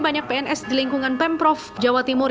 banyak pns di lingkungan pemprov jawa timur